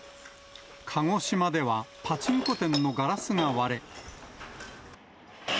鹿児島ではパチンコ店のガラスが割れ。